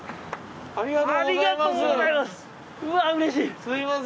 ありがとうございます。